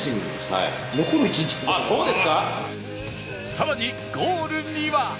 さらにゴールには